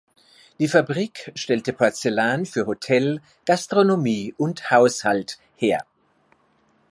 Die Fabrik stellte Porzellan für Hotel, Gastronomie und Haushalt her.